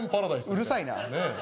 うるさいな。